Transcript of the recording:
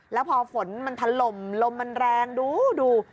แล้วพอฝนมันถล่มลมมันแรงดูดู